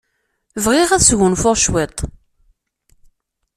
Bɣiɣ ad sgunfuɣ cwiṭ.